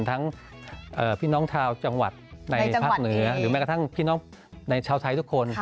พี่น้องชาวจังหวัดในภาคเหนือหรือแม้กระทั่งพี่น้องในชาวไทยทุกคน